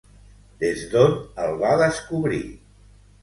Des d'on el va descobrir?